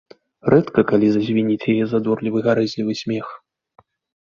Рэдка калі зазвініць яе задорны, гарэзлівы смех.